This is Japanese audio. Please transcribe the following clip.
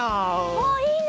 おいいね。